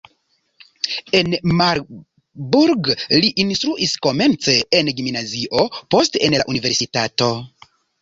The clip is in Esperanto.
En Marburg li instruis komence en gimnazio, poste en la universitato.